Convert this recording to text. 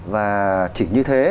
và chỉ như thế